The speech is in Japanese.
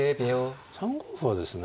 ３五歩はですね